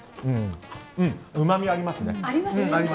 うん、うまみありますね。